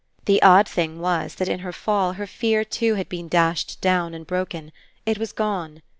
The odd thing was that in her fall her fear too had been dashed down and broken. It was gone.